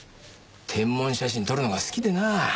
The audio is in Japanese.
天文写真撮るのが好きでなあ。